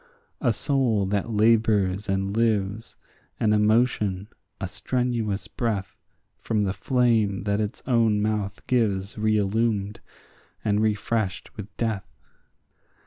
A soul that labours and lives, an emotion, a strenuous breath, From the flame that its own mouth gives reillumed, and refreshed with death.